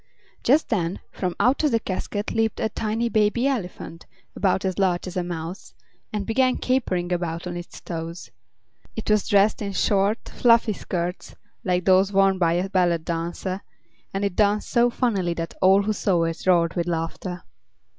Just then from out the casket leaped a tiny Baby Elephant, about as large as a mouse, and began capering about on its toes. It was dressed in short, fluffy skirts, like those worn by a ballet dancer, and it danced so funnily that all who saw it roared with laughter.